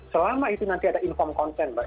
selama itu nanti ada inform konten mbak